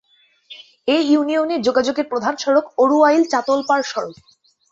এ ইউনিয়নে যোগাযোগের প্রধান সড়ক অরুয়াইল-চাতলপাড় সড়ক।